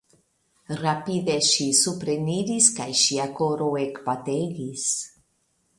Rapide ŝi supreniris kaj ŝia koro ekbategis.